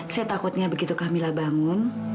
saya takutnya begitu camillah bangun